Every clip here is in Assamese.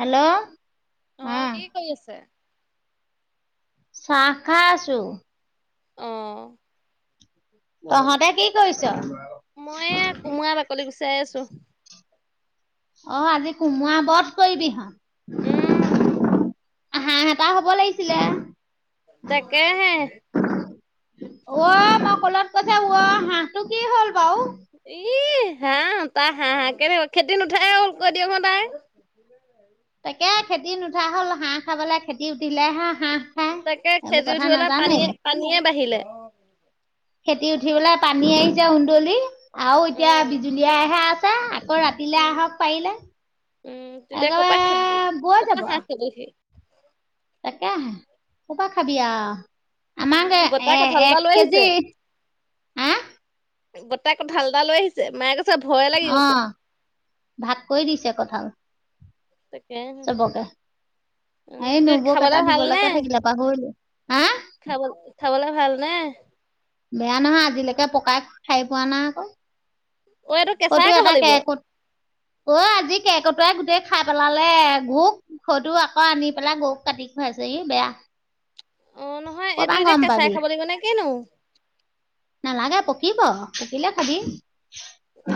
হেল্ল', অ, কি কৰি আছে? চাহ খাই আছো। অ', তহঁতে কি কৰিছ? কুমোৰা বাকলি গুচাই আছো। অ, আজি কোমোৱা বধ কৰিবিহ। উম [unintelligible] আহা হতা হ'ব লাগিছিলে। তাকেহে। অ, মই কলত কৈছে হাঁহটো কি হ'ল বাও। ই, হাঁহ তাই হাঁহ হা কেনেকুৱা খেতি নুঠাই হওল কৈ দিয়ক হ তাই। ন [unintelligible] তাকে খেতি নুঠা হ'ল হাঁহ খাবলৈ খেতি উঠিলে হা হাঁহ খায় তাকে এইবোৰ খেজি কথা উঠিবলৈ নাজানেই পানীয়ে-পানীয়ে বাঢ়িলে। খেতি উঠি পেলাই পানী আহি যা সুন্দলি। আৰু এতিয়া উম বিজুলীয়হে আছে আকৌ ৰাতিলে উম আহক পাৰিলে। উম, তেতিয়া একেবাৰে কপাক খে বৈ কপাক যাব হাঁহ খেদহি। তাকে হে, কৰ পৰা খাবি আও। আমাৰ উম যে বৰ্তাই কঁঠাল এটা এ-এক লৈ আহিছে কেজি হা গোটা কঠাল এটা লৈ আহিছে মায়ে কছে ভয় অ, ভাগ কৰি দিছে কঠাল। তাকে। চবকে উম এই নবৌক খাবলে এটা ভাল দিবলৈকে থাকিলে পাহৰিলো হা খাব-খাবলৈ ভাল নে? বেয়া নহয় আজিলৈকে পকাই খাই পোৱা নাই আকৌ অ এইটো কটো কেঁচাই খাব এটা লাগিব কেই ক অই, আজি কেৰ্কেটুৱাই গোটেই খাই পেলালে, গো ঘৰটো আকৌ আনি পেলাই গৰুক কাটি খুৱাইছেহি বেয়া অ, নহয় ক'ৰপা এইটো এতিয়া গম কেঁচাই পাবি খাব লাগিব নে কিনো। নালাগে পকিব পকিলে খাবি।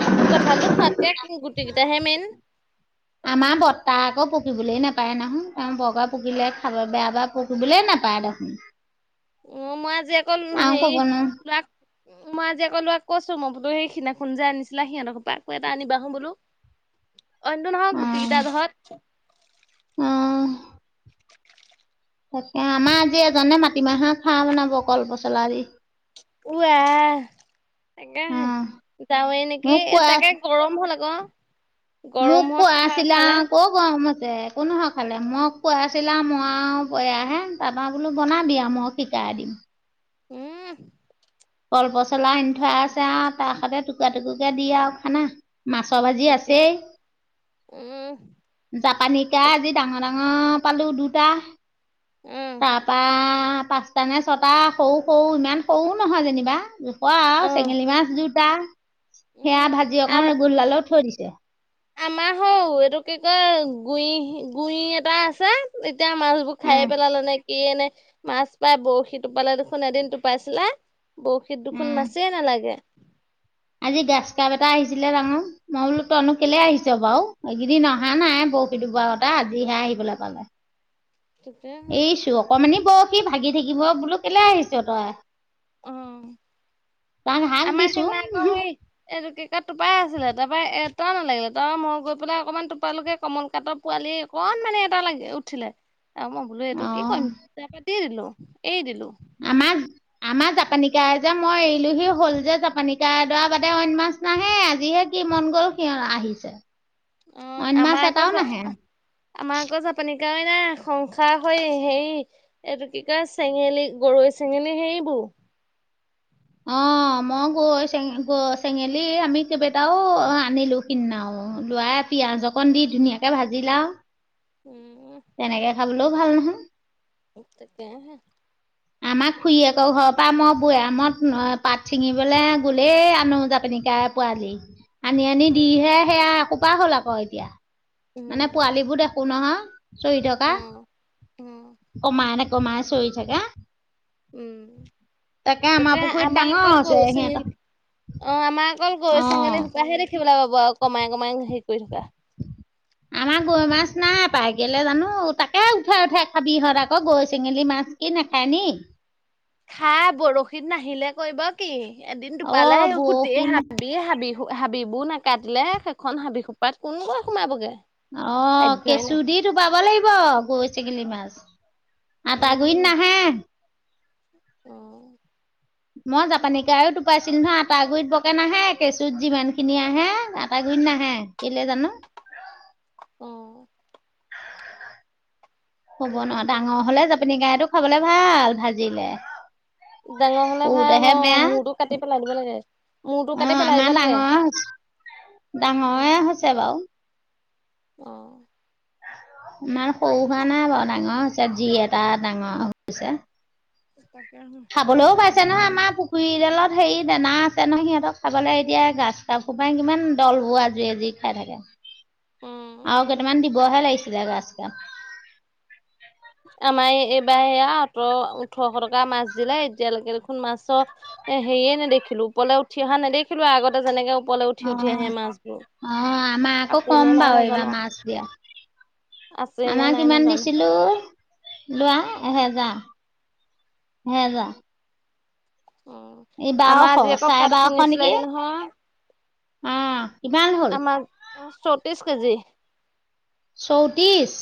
উম, কঠালটো খোৱাতকে গুটি কেইটাহে মেইন। আমাৰ বৰটা আকৌ পকিবলৈ নাপায় নাহয়। তেওঁ বৰকে পকিলে খাব বেয়া পায়। পকিবলে নাপায় দেখোন। অ, মই আজি অকল আৰু হেৰি ক'ব নোৱাৰো টো মই আজি আকৌ লোৰাক কৈছো মই বুলুভেই সিদিনাখন যে আনিছিলা সিহঁতৰ ঘৰৰ পৰা আকৌ এটা অনিবাছোন বোলো। [inaudible] অনটো নহয় গুটি কেইটা ঘৰত। অ। তাকে আমাৰ আজি এজনে মাটিমাহৰ খাৰ বনাব কলপচলাদি। উ আহ তাকে অ হে যাৱেই নেকি মোক এ কোৱা তাকে গৰম হ'ল আক। মোক কৌৱা আছিলা কক গৰম হৈছে একো নহয় খালে ময়ক খোৱাই আছিলা মই আও এয়াহে তা পা বোলো বনাবি আও মক- শিকাই দিম। উম। কলপচলা আনি থোৱা আছে আও তাৰ সতে টুকুৰা টুকুইকে দি আও খানা। মাছৰ ভাজি তাকে আছেই উম জাপানী কা আজি ডাঙৰ ডাঙ- অ পালো দুটা উম তা পা পাঁচ- তানে ছটা সৰু সৰু ইমান সৰুও নহয় যেনিবা জোখোৱা অ আৰু চেঙেলী মাছ দুটা। উম সেয়া ভাজি আম অকণ গোললালো থৈ দিছে। আমাৰ হৌ এইটো কি কয় গুই গুই এটা আছে। এতিয়া মাছবোৰ উম খায়ে পেলালে নে কিয়ে নে মাছ পাই বৰশী টোপালে দেখোন এদিন টোপাইছিলে বৰশ- সি দোখোন উম মাছে নালাগে। আজি গাছকাব এটা আহিছিলে ডাঙ মই বোলো তই কেলে আহিছ বাও এইকেইদিন অহা উম নাই ব- শী দুবাওতে আজিহে আহিবলে পালে। তেতিয়াহে। এই চোৱক- অকমানি বৰশী ভাগি থাকিব বোলো কেলে আহিছ তই। উম, তাক হাক আমাৰ দিছো সিমান ক সেই এইটোক কি কিয় টোপাই আছিলে তা পা এটাও নালাগিলে তাৰ পৰা মই গৈ পেলাই অকমান টোপালোগে কমল কাটপ- পোৱালি অকণ মানে এটা লাগে উঠিলে। বোলো এইটো অ কি কৰিম পিতা পাতি দিলো এৰি দিলো। আমাজ আমাজ জাপানিকাজ- যে মই এৰিলোহি হ'ল যে জাপানিক কা এডৰা বাদে অইন মাছ নাহে, আজিহে কি মন গ'ল সিহঁত আহিছে। অ অইন মাছ আমাৰ এটাও আকৌ নাহে। আমাৰ আকৌ জাপানীৰ কাৱৈ নাই সংসাৰ হৈ সেই এইটো কি কয় চেঙেলী গৰৈ চেঙেলী সেইবোৰ। অ মই গৈ চে চেঙেলী আমি কেইবাটাও আনিলো। কিনাও লোৱাই পিয়াজ অকণ দি ধুনীয়াকে ভাজিলে আও। [unintelligible] তেনেকে খাবলো ভাল নহয়। [unintelligible] তাকে হে। [inaudible] আমাৰ খুহীয়েকৰ ঘৰৰ পৰা মই বৈয়ামত পাত ছিঙিবলৈ গ'লেই আনো জাপেনি কাৱৈ পোৱালি। আনি আনি উম দিহে সেয়া এহোপা হ'ল আক এতিয়া। মানে উম পোৱালীবোৰ দেখো ন, চৰি থকা। অ অ কমাই নে কমাই চৰী থাকে। উম আমাৰ তাকে পুখুৰীত আমাৰ ডাঙৰ অকল হৈছে গৰৈ চেঙেলী। সিহঁতৰ অ আমাৰ অকল গৈ অ'। ছঙেলী শুপাহে দেখিবলে পাব, আৰু কমাই কমাই হেৰি কৰি থকা। [inaudible] আমাৰ গৈ মাছ নাই পাই কেলে জানো, তাকে উঠাই উঠাই খাবিহঁত আকৌ গৰৈ চেঙেলী মাছ। কি নাখায় নি খাই বৰশীত নাহিলে কৈ ব কি? এদিন অ টোপালে গোটেই বৰশী হাবি হাবি হাবিবোৰ নাকাটিলে সেইখন হাবি সোপাত কোন গৈ সোমাবগে। অ সাধ্যই কেঁচু নাই দি টোপাব লাগিব গৈ চেগেলী মাছ। আটা গুৰিত নাহে। অঁ। মই জাপানি কাৱৈ টোপাইছিলো নহয় আটা গুৰিত বকে নাহে, কেঁচুত যিমান খিনি আহে আটা গুৰিত নাহে। কেলে জানো? অঁ। হ'ব জানো ন কেলে ডাঙৰ নাহে, হ'লে জাপানি কাৱৈটো খাবলে ভাল ভাজিলে। ডাঙৰ হ'লে ভাল সৰুতেহে অঁ বেয়া মূৰটো কাটি পেলাই দিব লাগে। মূৰটো অ কাটি পেলাই আমাৰ দিব লাগে। ডাঙৰ হৈছে অ ডাঙৰে হৈছে বাৱ। অঁ। সিমান সৰু হোৱা নাই বাৰু ডাঙৰ হৈছে যি এটা ডাঙৰ হৈছে। তাকে খাবলৈও পাইছে নহয় আমাৰ পুখুৰীদালত হেৰী দানা আছে নহয় সিহঁতক খাবলে এতিয়া গ্ৰাছ তাৰ সোপাই কিমান দলবোৰ আজুৰি আজুৰি খাই থাকে। আৰু কেইটামান দিবহে লাগিছিলে গ্ৰাছ কাপ। আমাৰ এই এইবাৰ এয়া সোতৰ ওঠৰশ টকা মাছ দিলে এতিয়ালৈকে দেখোন মাছ এ হেৰীয়ে নেদেখিলো ওপৰলে উঠি অহা নেদেখিলোৱে আৰু আগতে যেনেকে ওপৰলে উঠি উঠি অহ, আহে মাছবোৰ। অঁ আমাৰ আকৌ আছে নে কম নাই বাও এইবাৰ নাজানো, মাছ দিয়া। আছে নে আমাৰ নাই কিমান নাজানো, দিছিলোঁ? লোৱা এহেজাৰ এহেজা। উম, বাৰশ আমাৰ আজি আকৌ চাৰে পাত ছিঙি ছিলেগে নহয়। অঁ। আমাক অঁ চৌত্ৰিছ কেজি। চৌত্ৰিছ?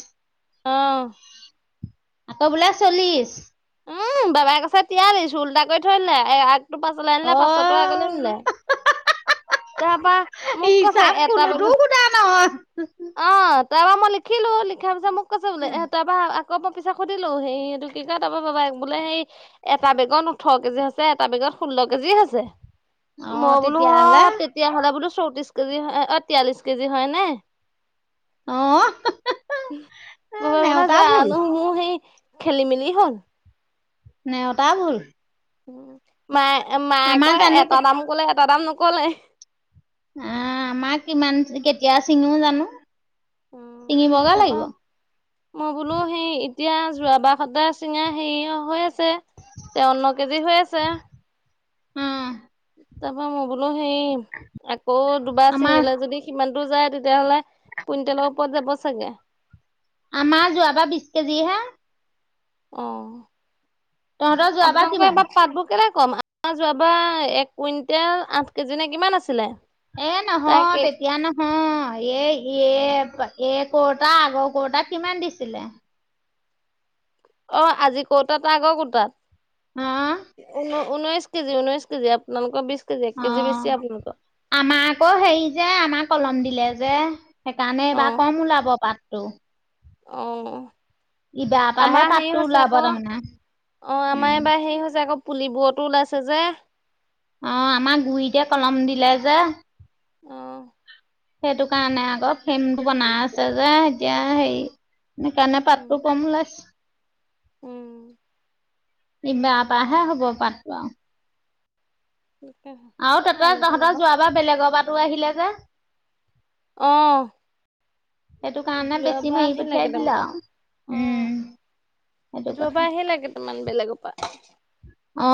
অঁ। আকৌ বোলে চল্লিশ। উম বাবাই কৈছে টিয়ালিছ উল্টা কৰি থৈ দিলে। এই তো পাছলে আনিলে অ পাছৰটো আগলে নিলে। তাপা মোক কৈছে হিচাপ এটা বেগত কোনোতো সোধা নহয় অঁ তাৰপৰা মই লিখিলোঁ লিখা পিছত মোক কৈছে বোলে এহ তা পা আকৌ মই পিছত সুধিলো সেই এইটো কি কয়? তাপা বাবাই বোলে সেই এটা বেগত ওঠৰ কেজি হৈছে এটা বেগত ষোল্ল কেজি হৈছে। অ মই বোলো তেতিয়াহ'লে অঁ তেতিয়াহ'লে বোলো চৌত্ৰিছ কেজি হয় অঁ তিয়াল্লিশ কেজি হয়নে? অ উমহ, আ, মই ভাবিলো যে নেওতা ভুল জানো মোৰ সেই খেলি মেলি হ'ল। নেওতা ভুল। উম, মায়ে মায়ে আমাৰ কয় জানো এটা কে দাম ক'লে এটা দাম নক'লে। এ আমাৰ কিমান কেতিয়া ছিঙিব জানো? উম, উম ছিঙিবগে তাপা। লাগিব মই বোলো সেই এতিয়া যোৱাবা হওঁতে ছিঙা হেৰী হৈ আছে। তেৱন্ন কেজি হৈ আছে। উমহ। তাপা মই বোলো সেই আকৌ দুবাৰ আমাৰ ছিঙিলে যদি কিমান দূৰ যায় তেতিয়াহ'লে কুইন্তেলৰ ওপৰত যাব চাগে। আমাৰ যোৱাবাৰ বিছ কেজি হে। অহ, তহঁতৰ যোৱাবাৰ আপোনালোকৰ কিমান এবাৰ পাতবোৰ কেলে কম? আমাৰ যোৱাবা এক কুইন্তেল আঠ কেজি নে কিমান আছিলে। এ নহয় তাকে তেতিয়া নহ নহয় এই ইয়ে এই কোৱতা আগৰ কোৱতা কিমান দিছিলে? অঁ আজি কোৱতা তাৰ আগৰ কোৱতাত? অ ঊন ঊনৈছ কেজি ঊনৈছ কেজি আপালোকৰ বিছ অ আমাৰ আকৌ হেৰি যে আমাৰ কলম দিলে যে। সেইকাৰণে এইবা কম ওলাব পাতটো। অ, অ। ইবাৰ পৰাহে আমাৰ হেই পাতটো হৈছে ওলাব আকৌ, তাৰমানে অ আমাৰ উম এইবাৰ হেই হৈছে আকৌ। পুলিবোৰতো ওলাইছে যে। অ আমাৰ গুইটে কলম দিলে যে। অ। সেইটো কাৰণে আকৌ ফেমটো বনাই আছে যে এতিয়া হেই সেকাৰণে উম পাতটো কম ওলাইছে। উম। ইবাপাহে হ'ব পাতটো আও। [unintelligible] আৰু তাতে আলু এটা লৈ তহঁতৰ আহক যোৱাবাৰ বেলেগৰ পাতো আহিলে যে। অ। সেইটো কাৰণে বেছি যোৱাবাৰ মাৰি আহিলে পঠিয়াই দিলে কেটামান, আৰু উম, সেইটো অ। কথা যোৱাবাৰ আহিলে কেটামান বেলেগৰ পা। অ।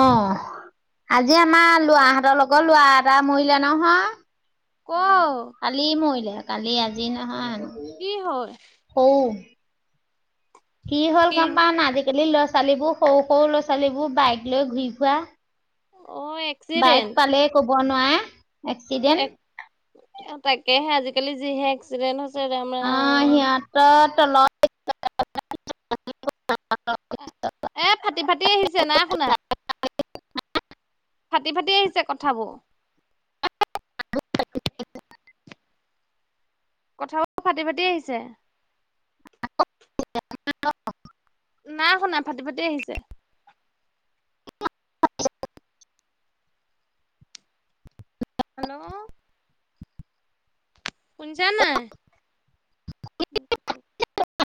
আজি আমাৰ ল'ৰাহঁতৰ লগৰ ল'ৰা এটা মৰিলে নহয়। ক কালি মৰিলে, কালি, আজি নহয়। কি হয়? সৌ কি হ'ল গম পা না আজি-কালি ল'ৰা ছোৱালীবোৰ সৰু সৰু ল'ছালীবোৰ বাইক লৈ ঘূৰি ফুৰা অ বাইক এক্সিডেণ্ট পালেই ক'ব নোৱাৰে এক এক্সিডেণ্ট। তাকেহে আজি-কালি যিহে এক্সিডেণ্ট হৈছে ৰাম! ৰাম! ত তলত এ ফাটি-ফাটি আহিছে নাই শুনা। ফাটি-ফাটি আহিছে কথাবোৰ। কথাবোৰ ফাটি-ফাটি আহিছে। [unintelligible] নাই শুনা, ফাটি-ফাটি আহিছে। হেল্লও। শুনছা নাই? [unintelligible]